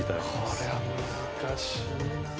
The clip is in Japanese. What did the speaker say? これは難しいな。